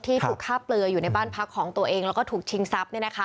ถูกฆ่าเปลืออยู่ในบ้านพักของตัวเองแล้วก็ถูกชิงทรัพย์